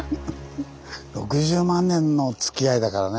６０万年のつきあいだからね。